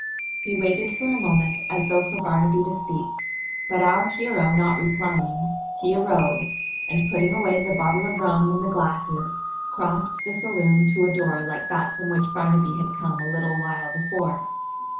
He waited for a moment, as though for Barnaby to speak, but our hero not replying, he arose and, putting away the bottle of rum and the glasses, crossed the saloon to a door like that from which Barnaby had come a little while before.